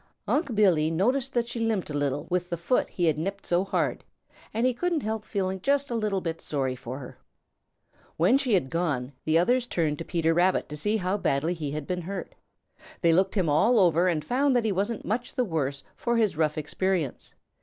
Unc' Billy noticed that she limped a little with the foot he had nipped so hard, and he couldn't help feeling just a little bit sorry for her. When she had gone, the others turned to Peter Rabbit to see how badly he had been hurt. They looked him all over and found that he wasn't much the worse for his rough experience.